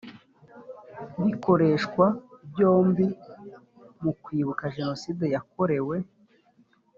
bikoreshwa byombi mu kwibuka jenoside yakorewe